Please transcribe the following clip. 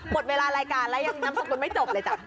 ปลดเวลารายการแล้วยังนำสังคมคือไม่จบเลยจ๊ะ